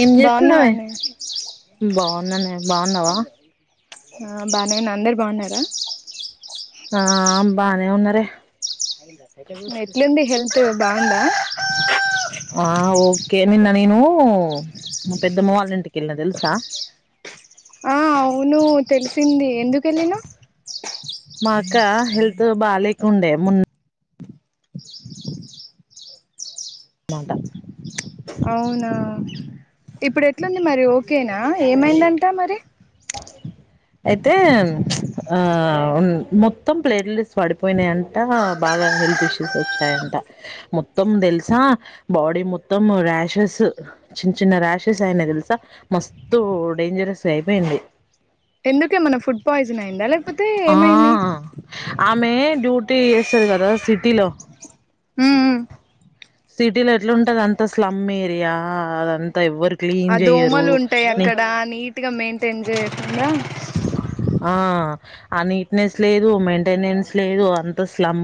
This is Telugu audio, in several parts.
ఏం చేస్తున్నావే. బాగున్నావానే బాగున్నానే బాగున్నవా. ఆ బానేే ఉన్నా. అందరు బాగున్నారా. ఆ అం బానే ఉన్నారే. బ ఎట్లుంది హెల్త్ బాగుందా ఆ ఓకే. నిన్న నేనూ మా పెద్దమ్మ వాళ్ళ ఇంటికెళ్ళిన తెలుసా. ఆ అవునూ తెలిసిందీ ఎందుకెళ్ళినవ్. మా అక్కా హెల్త్ బాలేకుండే ముం మాటా అవునా ఇప్పుడ్లెట్ ఎట్లుంది మరీ ఓకేనా, ఏమైందంట మరి. అయితే ప్చ్ ఆ మొత్తం ప్లేట్లెట్స్ పడిపోయినయంటా బాగా హెల్త్ ఇష్యూస్ వచ్చాయంట. మొత్తం తెల్సా బాడీ మొత్తము ర్యాషెస్. చిన్న చిన్న ర్యాషెస్ అయినయ్ తెలుసా. మస్తు డేంజరస్గా అయిపోయింది ఎందుకే మన ఫుడ్ పాయిసన్ ఆ ఆమె డ్యూటీ ఇారు కదా సిటీలో ఉమ్, ఉమ్. సిటీలో ఎట్లాంటది అంత స్లమ్ ఏరియా అదంతా ఎవ్వరు క్లీన్ చెయరు న పూర్తిగా మెయింటైన్ చేయకుండా ఆ ఆ నీట్నెస్ లేదు మెయింటెనెన్స్ లేదు అంత స్లమ్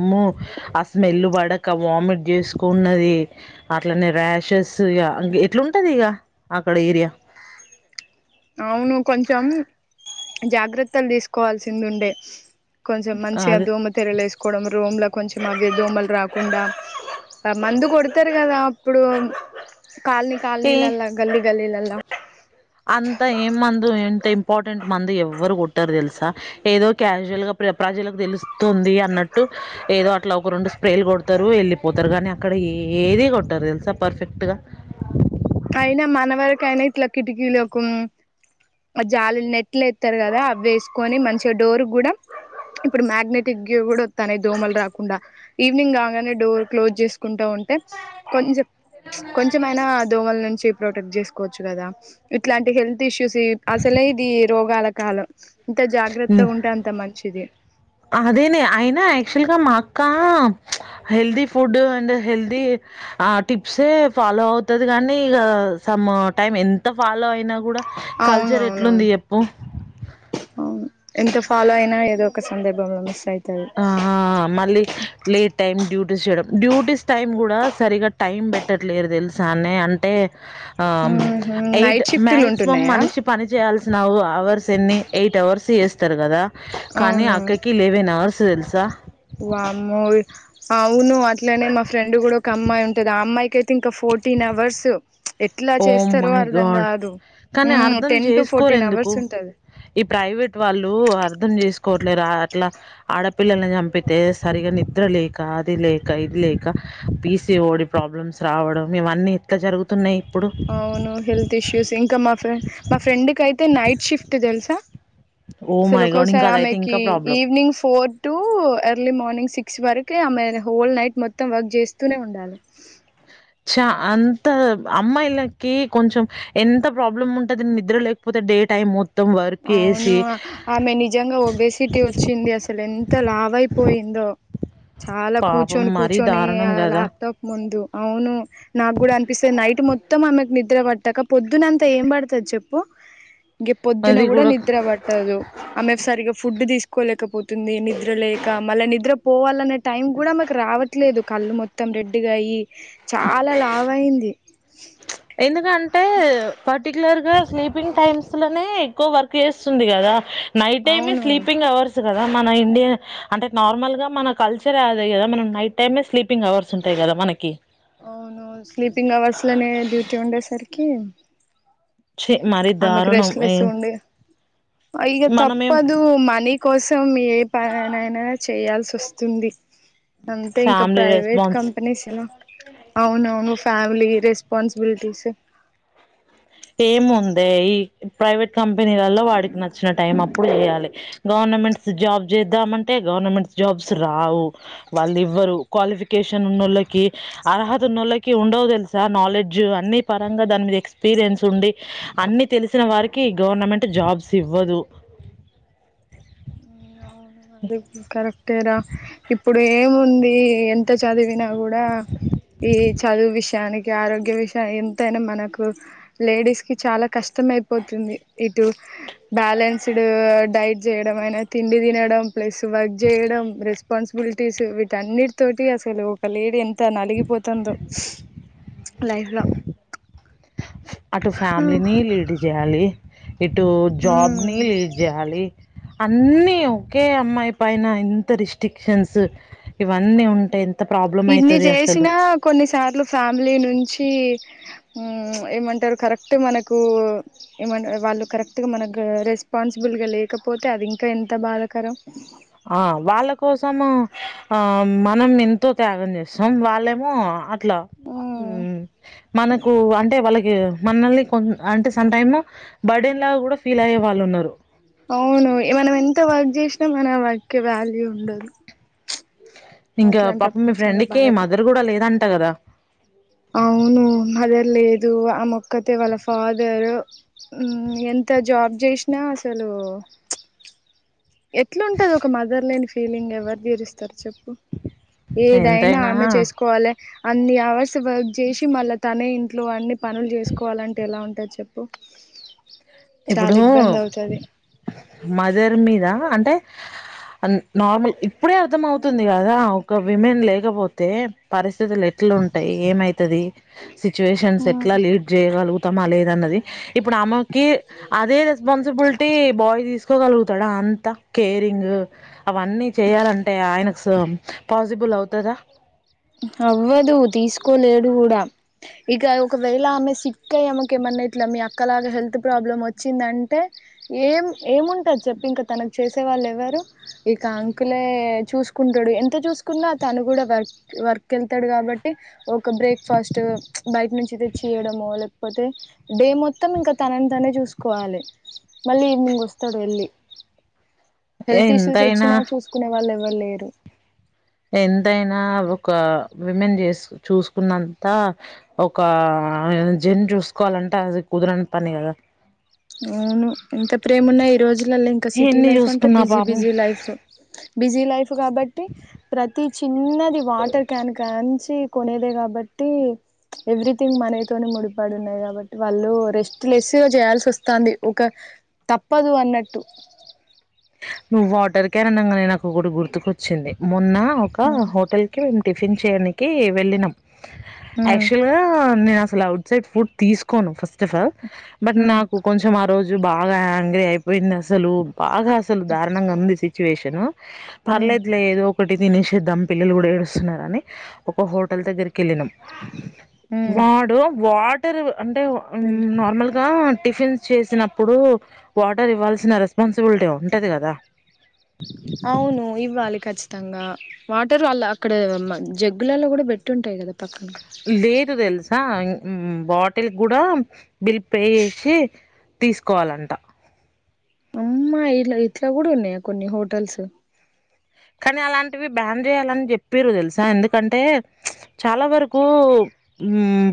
ఆ స్మెల్ పడక వామిట్ చేసుకున్నది అట్లనే ర్యాషెస్ ఇ ఎట్లాంటది ఇక అక్కడ ఏరియా అవును కొంచెం జాగ్రత్తలు తీసుకోవాల్సింది ఉండే కొంచెం మంచిగా అదే దోమత తెరలేేసు కూడా రోమ్లో కొంచెం అవి దోమలు రాకుండా మందు కొడతారు కదా అప్పుడు కాలనీ ఏ కల్నీలలా గల్లీ గల్లీలెలా అంత ఏం మందు ఎంత ఇంపార్టెంట్ మందు ఎవ్వరు కొట్టారు తెలుసా ఏదో క్యాజువల్ గా ప్ర ప్రజలకు తెలుస్తుంది అన్నట్టు ఏదో అట్లా ఒకరుండు స్ప్రేలు కొడతారు వెళ్ళిపోతారు కానీ అక్కడ ఏది కొట్టారు తెలుసా పర్ఫెక్ట్ గా [inaudible] ఎవరకయినా ఇట్లా కిటికీలు జాలి నెట్లు ఇస్తారు కదా అవి వేసుకొని మంచిగా డోర్ కూడా ఇప్పుడు మ్యాగ్నెటిక్ కూడా వస్తాన దోమలు రాకుండా ఈవినింగ్ కాగానే డోర్ క్లోజ్ చేసుకుంటా ఉంటే కొంచెం ఎద ఉంద రాణ ను ప్రొటెక్ట్ చేసుకోవచ్చు కదా ఇట్లాంటి హెల్త్ ఇష్యూస్ అసలే ఇది రోగాల కాలం ఇంత జాగ్రత్తగా ఉంటే అంత మంచిది అదేనే అయినా యాక్చువల్గా మా అక్క హెల్దీ ఫుడ్ అండ్ హెల్తీ ఆ టిప్సే ఫాలో అవుతుది కానీ ఇక సమ్ టైం ఎంత ఫాలో అయి అవున అవును అవును ఎంత ఫాలో అయినా ఏదో ఒక సందర్భంలో మస్యి ఆ మళ్ళీ లేట్ టైమ్ డ్యూటీ చేయడం డ్యూటీస్ టైమ్ కూడా సరిగా టైమ్ పెట్టట్లేదు తెలుసా అన్న అంటే ఆ ఉహు ఎయిట్ నైట్ షిఫ్ట్లు మాక్సిమం ఉంటున్నాయా మనిషి పని చేయాల్ నావు హవర్స్ ఎన్ని ఎయిట్ అవర్స్ ఎస్ కదా కానీ అక్కరికి లెవెన్ అవర్స్ దెలుసా. వామ అవును అట్లనే మా ఫ్రెండ్ కూడా ఒక అమ్మాయి ఉంటది ఆ అమ్మాయికి అయితే ఇంకా ఫోర్టీన్ అవర్స్ ఎట్లా ఓం చేస్తారో మై అర్ధం గాడ్ కాదు కానీ మ్మ్ అర్థం టెన్ టు చేసుకోరు ఫోర్టీన్ ఎందుకు అవర్స్ ఉంటది ఈ ప్రైవేట్ వాళ్ళు అర్ం అర్థం చేసుకోవట్లేదు అట్లా ఆడపిల్లల్ని చంపితే సరిగగా నిద్ర లేక అది లేక ఇది లేక పీసీ ఓడి ప్రాబ్లమ్స్ రావడం ఇవన్నీ ఎట్లా జరుగుతున్నాయి ఇప్పుడు అవును హల్త్ ఇష్యూస్ ఇంకా మా ఫ మా ఫ్రెంకియితే మతే నైట్ షిఫ్ట్ ఇద తెల్సా ఓ సలు మై గాడ్ ఒకసారి ఇంకా అదైతే ఆమెకి ఇంకా problem evening four to early morning six వరకు ఆమె హోల్ నైట్ మొత్తం వర్క్ చేస్తూనే ఉండాలి చ అంత అమ్మాయిలకి కొంచెం ఎంత ప్రాబ్లం ఉంటంది నిద్ర లేకపోతే డే టైమ్ అవును ఆమె నిజంగా ఒబేసిటీ వచ్చింది అసలు ఎంత లావయిపోయిందో చాలా పాపం కూర్చొని మరీ కూర్చొని దారుణం ఆ కదా ల్యాప్టాప్ ముందు అవును నాకు కూడా అనిపిస్తది నైట్ మొత్తం ఆమెకు ని నిద్ర పట్టక పొద్దునంత ఏం పడుతది చెప్పు గీ పొద్ పొద్దున అది గూడా కూడా నిద్ర పట్టదు ఆమెకు సరిగ్గా ఫుడ్ తీసు కోలేకపోతుంది నిద్ర లేక మళ్ళ నిద్ర పోవాలన్న టైం కూడా ఆమెకు రావట్లేదు కళ్ళు మొత్తం రెడ్డిగా అయ్యి చాలా లావ అయింది అ అంటే పటి రెగ్యులర్ గా స్లీపింగ్ టైమ్స్ లోనే ఎక్కువ వర్క్ చేస్తుంది కదా నైట్ ఏమి అవును స్లీపింగ్ అవర్స్ కదా మన ఇండియన్ అంటే నార్మల్ గా మన కల్చరే అది గదా మనం నైట్ టైమే స్లీపింగ్ అవర్స్ ఉంటాయి గదా మనకి అవును స్లీపింగ్ అవర్స్ లోనే డ్యూటీ ఉండే సరికి చి మరి ఆమెకు దారుణం రెష్లెస్ ఉండేది ఇగ మనం ఏం తప్పదు మనీ కోసం ఏ పనినైనా చేయాల్సి వస్తుంది అంతే ఇంకా ఫ్యామిలీ ప్రైవేట్ రెస్పాన్స్ కంపెనీస్ ఎలా అవునవును ఫ్యామిలీ రెస్ స్పాన్సిబిలిటీ స్ ఏము ఉందే ఈ ప్రైవేట్ కంపెనీలలో వాడికి నచ్చిన టైం అప్పుడు చేయాలి గవర్నమెంట్స్ జాబ్ జేద్దామంటే గవర్నమెంట్ జాబ్స్ రావు వాళ్ళు ఇవ్వరు క్వాలిఫికేషన్ ఉన్నో ళ్ళకి అర్హత ఉన్నోళ్ళకి ఉండవు తెలుసా నాలెడ్జ్ అన్ని పరంగా దాని మీద ఎక్స్పీరియన్స్ ఉండి అన్ని తెలిసిన వారికి గవర్నమెంట్ జాబ్స్ ఇవ్వదు అవును అది కరెక్ట్ రా ఇప్పుడు ఏముంది ఎంత చదివినా కూడా ఈ చదువు విషయానికి ఆరోగ్య విషయానికి ఎంతైనా మనకు లేడీస్ కి చాలా కష్ కష్టమైపోతుంది ఇటు బ్యాలెన్స్డ్ డైట్ చేయడం అయినా తిండి తినడం ప్లస్ వర్క్ జేయడం రెస్ రెస్పాన్సిబిలిటీస్ వీటన్నిటి తోటి అసలు ఒక లేడీ ఎంత నలిగిపోతుందొ లైఫ్ లో అటు ఫ్యామిలీని లీడ్ జేయాలి ఇటు జాబ్ ని లీడ్ జేయాలి అన్నీ ఓకే అమ్మాయి పైన ఇంత రిస్ట్రిక్షన్స్ ఇవన్నీ ఉంటాయి ఇన్ని చేసినా కొన్నిసార్లు ఫ్యామిలీ నుంచి ఊ ఏమంటారు కరెక్ట్ మనకు ఏమంటారు వాళ్ళు కరెక్ట్ గా మనకు రెస్పాన్సిబుల్గా లేకపోతే అది ఇంకా ఎంత బాధాకరం ఆ వాళ్ళ కోసము ఆ మనం ఎంతో త్యాగం చేస్తాం వాళ్ళేమో మ్మ్ మనకు అంటే వాళ్ళ మనల్ని కొ అంటే స టైమ్ బర్డన్ లా కూడా ఫీల్ అయ్యే వాళ్ళు ఉన్నారు అవును మనం ఎంత వర్క్ చేసినా మన వర్క్ కి వాల్యూ ఉండదు ఇంకా పాపం అట్లాంటప్పుడు మీ చాలా ఫ్రెండ్కి బాధాకరం మదర్ కూడా లేదంట కదా అవును మదర్ లేదు ఆ మొక్కతే వాళ్ళ ఫాదర్ ఎంత జాబ్ చేసినా అసలు ఎట్లా ఉంటది ఒక మదర్ లేని ఫీలింగ్ ఫీలింగ్ ఎవరు తీరుస్తారు చెప్పు ఏదైనా ఎంతైనా ఆమె చేసుకోవాలి అన్ని అవర్స్ వర్క్ చేసి మళ్ళా తనే ఇంట్లో అన్నీ పనులు చేసుకోవాలంటే ఎలా ఉంటది చెప్పు చాలా ఇప్పుడు ఇబ్బంది అవుతది మదర్ మీద అంటే నార్మల్ ఇప్పుడే అర్థం అవుతుంది కదా ఒక విమెన్ లేకపోతే పరిస్థితి పతులు ఎట్లా ఉంటాయి ఏమైతే తది సిచ్యువేషన్స్ ఎట్లా లీడ్ చేయగలుగు త్తమా లేదన్నది ఇప్పుడు అమ్మేకి అదే రెస్పాన్సిబిలిటీ బాయ్ తీసుకోగలుగుతాడా అంత కేరింగ్ అవన్నీ చేయాలంటే ఆయన పాజిబుల్ అవుతాదా అవ్వదు తీసుకోలేడు కూడా ఇక ఒకవేళ ఆమె సిక్క్క అయ్యామక ఏమన్నా ఇట్లా మీ అక్కలాగా హెల్త్ ప్రాబ్లం వచ్చిందంటే ఏం ఏముంటది చెప్పి ఇంక తనకు చేసే వాళ్ళు ఎవ్వరు ఇక అంకులే చూసుకుంటాడు ఎంత చూసుకున్నా తను కూడా వర్క్ వెళ్తాడు కాబట్టి ఒక బ్రేక్ఫాస్ట్ బయట నుంచి అయితే చేయడముో లేకపోతే డే మొత్తం ఇంకా తనని తనే చూసుకోవాలి మళ్ళీ ఈవినింగ్ వస్తాడు వెళ్ళి హెల్త్ ఇష్యూస్ ఎంతైనా వచ్చినా చూసుకునే వాళ్ళ ఇవలేరు ఎంతైనా ఒక విమెన్ చేసు చూసుకున్నంత ఒక జన్ చూసుకోవాలంటే అది కుదరని పని కదా అవును ఇంత ప్రేమ ఉన్నాయి ఈ రోజులలో ఇంకా సిటీ ఎన్ని లైఫ్ అంటే చూసుకున్నా బిజీ పాపం బిజీ లైఫ్ బిజీ జీ లైఫ్ కాబట్టి ప్రతి చిన్నది వాటర్ క్యాన్ కన్స్ కొనేదే కాబట్టి ఎవ్రీథింగ్ మనతోనే ముడిపడు ఉన్నాయి కాబట్టి వాళ్ళు రెస్ట్ లెస్ చేయాల్సి వస్తు వస్తుంది ఒక తప్పదు అన్నట్టు నువ్వు వాటర్ క్యారన్ంగానే నాకు కూడా గుర్తుకొచ్చింది మొన్న ఒక హోటల్ కి మేము టిఫిన్ చేర్కి వెళ్ళినాం ఉమ్ క్చువల్ గా అసలు అవుట్ సైడ్ ఫుడ్ తీసుకోను first of all but um నాకు కొంచెం ఆ రోజు బాగా హంగ్రీ అయిపోయింది అసలు బాగా అసలు దారుణంగా ఉంది సిచువేషన్ ఉమ్ పర్లేదులే ఏదో ఒకటి దినసే దమ్ పిల్లలు కూడా ఏడుస్తున్నారని ఒక హోటల్ దగ్గరికి క వెళ్ళిన ఉమ్ వాడు వాటి తెరువు అంటే నార్మల్గా టిఫిన్స్ చేసినప్పుడు వాటర్ ఇవ్వాల్సిన రెస్పాన్సిబిలిటీ అవంది అవును ఇవ్వాలి కఖచ్చి మొత్తంగా వాటర్ వాళ్ల అక్కడ జగ్గులలో కూడా పెట్టి ఉంటాయి కదా పక్కన లేదు తెలుసా బాటిల్ కూడా బిల్ పే చేసి తీసుకోవాలంట అమ్మా ఇలా ఇట్లా కూడా ఉన్నాయా కొన్ని హోటల్స్ కానీ అలాంటివి బ్యాన్ చేయాలని చెప్పారు తెలుసా ఎందుకంటే చాలా వరకు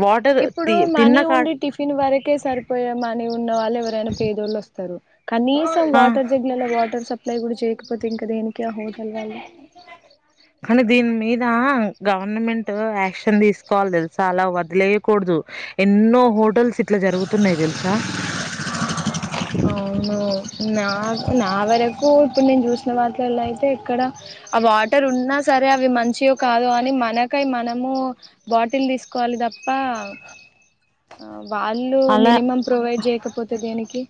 వాటర్ ఇప్పుడు తి తిన్న మనీ కాడ ఉండే టిఫిన్ వరకే సరిపోయే మనీ ఉన్న వాళ్ళు ఎవరైనా పేదోళ్ళు వస్తారు కనీసం ఆ వాటర్ జగ్లలో వాటర్ సప్లై కూడా చేయ కాకపోతే ఇంకా దేనికి క్యా హోటల్ వా కానీ దీని మీద గవర్నమెంట్ యాక్షన్ తీసుకోవాలి తెలుస అలా వదిలేయకూడదు ఎన్నో హోటల్స్ ఇట్లా జరుగుతున్నాయి తెలుసా అను నా నావర ఇప్పుడు నేను చూసిన వాటలల్లో అయితే ఎక్కడ ఆ వాటర్ ఉన్నా సరే అవి మంచివి కాదు అని మనకై మన బాటిల్ తీసుకోవాలి త బవ వాళ్ళు అలా మినిమం ప్రొవైడ్ చేయకపోతే దేనికి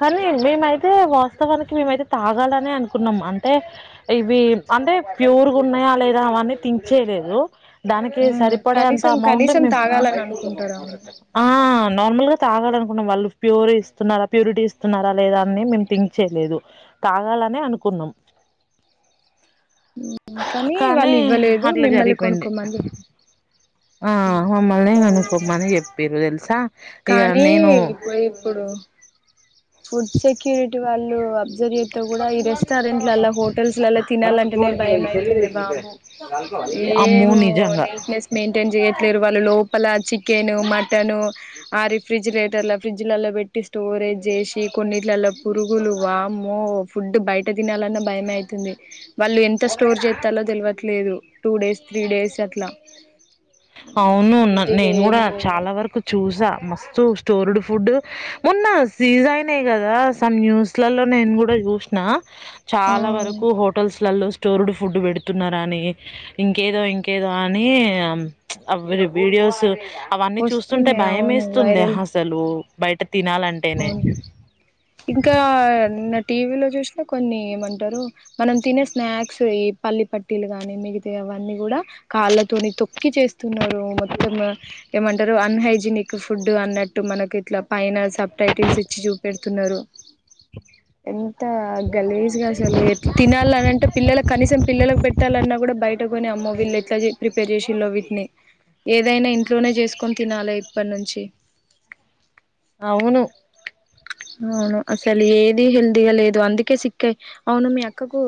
కానీ మేమైతే వాస్తవానికి మేమైతే తాగాలని అనుకున్నాం అంటే ఇవి అంటే ప్యూర్గా ఉన్నాయా లేదా అవన్నీ తించేయలేదు దానికి ఉమ్ సరిపడే అంత కనీసం అమౌంట్ కనీసం మేము తాగాలని అనుకుంటారు అవును ఆ నార్మల్ గా తాగానుకున్నాం వాళ్ళు ప్యూర్ ఇస్తున్నారా ప్యూరిటీ ఇస్తున్నారా లేదా అని మేము థింక్ చేయలేదు తాగాలనే అనుకున్నాం కానీ వాళ్ళు ఇవ్వలేదు అట్లా మిమ్మల్ని జరిగిపోయింది కొనుక్కోమ్మ అని చెప్ప ఆ మమ్మల్నే కొనుక్కోమని చెప్పిరు తెల్సా కానీ పోయి ఇప్పుడు ఫుడ్ సెక్యూరిటీ వాళ్ళు అబ్జర్వ్ త్తే కూడా ఈ రెస్టారెంట్లలల్ల హోటల్స్ అలా తినాలంటేనే భయం అయితుంది బాబు ఏం అమ్మో నిజంగా నీట్నెస్ మెయింటైన్ చేయట్లేరు వాళ్ళు లోప ప్పలా చికెన్ మట్ టను ఆ రిఫ్రిజిరేటర్ల ఫ్రిడ్జ్ లల్ల పెట్టి స్టోరేజ్ చేస్ కొన్నిట్లలో పురుగులు వామ్మో ఫుడ్ బయట తినాలన్న బయం అవుతుంది వాళ్ళు ఎంత స్టోర్ చెత్తల్లో తెలవట్లేదు టూ డేస్ త్రీ డేస్ అట్లా అవును నా హెల్తీగా నేను ఏం కూడా చాలా వరకు చూసా మస్తు స్టోర్డ్ ఫుడ్ మొన్న సీజ్ అయినే కదా సమ్ న్యూస్లల్లో నేను కూడా చూసిన చాలా లేదు వరకు హోటల్స్లలో స్టోర్డు ఫుడ్ పెడుతున్నారని ఇంకేదో ఇంకేదో అని అ వి వీడియోస్ అవన్నీ చూస్తుంటే వస్తున్నాయి భయం అవును వేస్తుంది వైరల్ అసలు బయట తినాలంటేనే. అవును ఇంకా నిన్న టీ వీ లో చూసిన కొన్ని ఏమంటారు మనం తినే స్నాక్స్ ఈ పల్లి పటీలు కాని మిగితా అవన్నీ కూడా కాళ్ళతోని తొక్కి చేస్తున్నారు మొత్తం ఏమంటారు అన్హైజినిక్ ఫుడ్ అన్నట్టు మనకు ఇట్లా పైన సప్ టైటిల్స్ ఇచ్చి చూపెడుతున్నారు ఎ త గలేజ్గా అసలు ఎట్లా తినాలి అనింటే పిల్లల కనీసం పిల్లలలకు పెట్టాలన్న కూడా బైట్ పెట్టుకొని అమ్మో వీళ్ళు ఎట్లా ప్రిపేర్ చేసిల్లో వీటిని ఏదైనా ఇ ట్లోనే చేసుకొని తినాలే ఇప్పటి నుంచి అవును అవును అసలు ఏది హెల్తీగా లేదు అందుకే సిక్కయి అవును మీ అక్కకు